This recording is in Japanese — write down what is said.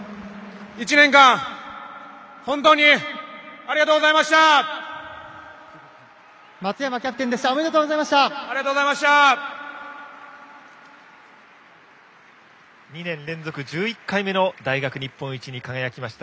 １年間本当にありがとうございました！